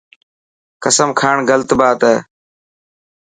قسم کاڻ غلط بات هي.